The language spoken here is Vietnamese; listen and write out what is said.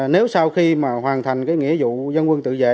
nếu sau khi hoàn thành nghị dụ dân quân tự vệ